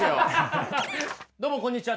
どうもこんにちは。